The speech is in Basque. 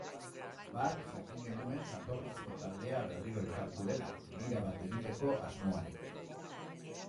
Bart jakin genuen jatorrizko taldea berriro elkartu dela, bira bat egiteko asmoarekin.